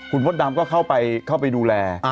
คุณมดดำก็เข้าไปดูแล